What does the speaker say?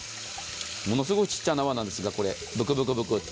ものすごいちっちゃな泡なんですが、ブクブクブク。